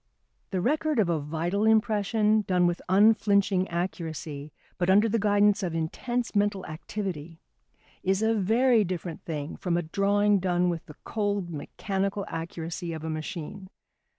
The record of a vital impression done with unflinching accuracy, but under the guidance of intense mental activity, is a very different thing from a drawing done with the cold, mechanical accuracy of a machine.